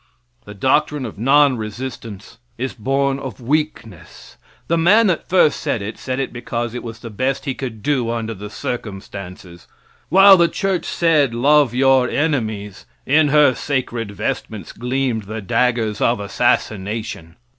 The doctrine of non resistance is born of weakness. The man that first said it, said it because it was the best he could do under the circumstances. While the church said, "love your enemies," in her sacred vestments gleamed the daggers of assassination.